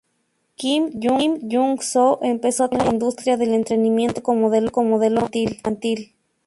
Kim Hyun-soo empezó a trabajar en la industria del entretenimiento como modelo infantil.